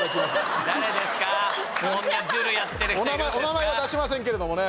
お名前は出しませんけれどもね。